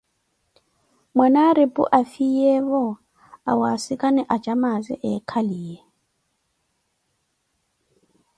Mwanaripu afiiyevo awasikana acamaaze eekhaliye.